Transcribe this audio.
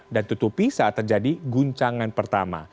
dan tutupi saat terjadi guncangan pertama